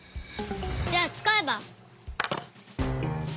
じゃあつかえば。